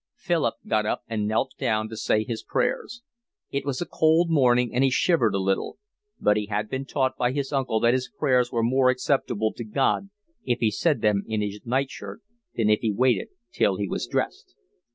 Philip got up and knelt down to say his prayers. It was a cold morning, and he shivered a little; but he had been taught by his uncle that his prayers were more acceptable to God if he said them in his nightshirt than if he waited till he was dressed.